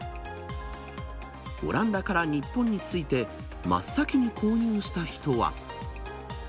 オランダから日本に着いて、真っ先に購入した人は。